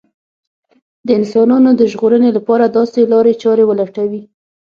د انسانانو د ژغورنې لپاره داسې لارې چارې ولټوي